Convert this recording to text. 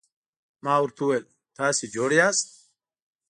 ما ورته وویل: تاسي جوړ یاست؟